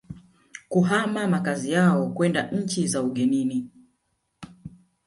kuhama makazi yao kwenda nchi za ugenini